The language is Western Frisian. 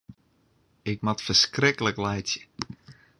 Ik moat ferskriklik laitsje.